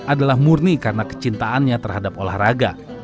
adalah murni karena kecintaannya terhadap olahraga